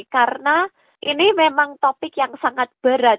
karena ini memang topik yang sangat berat